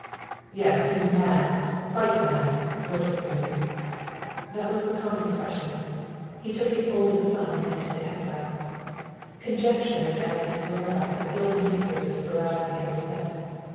"Yes; he was mad quite mad," blurted the Baron. "That was the common impression. He took his oldest son and went into exile. Conjectures as to his whereabouts have filled the newspapers sporadically ever since.